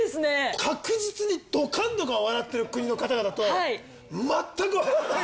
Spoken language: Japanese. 確実にドカンドカン笑ってる国の方々と全く笑ってない。